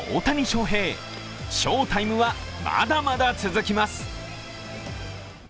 翔タイムはまだまだ続きます。